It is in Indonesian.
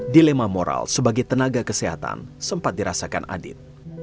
dilema moral sebagai tenaga kesehatan sempat dirasakan adit